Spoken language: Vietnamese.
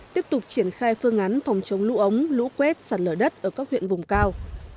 tiếp tục triển khai phương án phòng chống lũ ống lũ quét sạt lở đất ở các huyện vùng cao